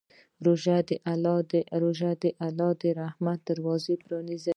روژه د الله د رحمت دروازه پرانیزي.